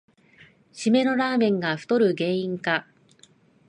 しめのラーメンが太る原因か